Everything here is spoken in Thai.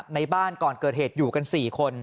ในบ้านก่อนเกิดเหตุอยู่กัน๔คน